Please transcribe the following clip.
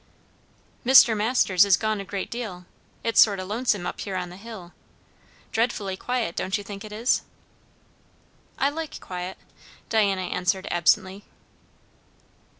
"Mr. Masters is gone a great deal. It's sort o' lonesome up here on the hill. Dreadfully quiet, don't you think it is?" "I like quiet," Diana answered absently.